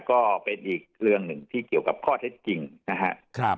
ก็เป็นอีกเรื่องหนึ่งที่เกี่ยวกับข้อเท็จจริงนะครับ